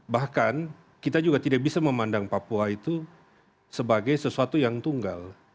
bahkan kita juga tidak bisa memandang papua itu sebagai sesuatu yang tunggal